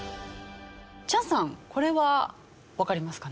チャンさんこれはわかりますかね？